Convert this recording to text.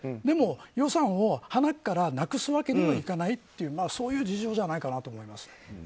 でも予算をはなからなくすわけにもいかないというそういう事情じゃないかなと思います。